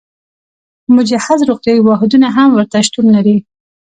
مجهز روغتیايي واحدونه هم ورته شتون لري.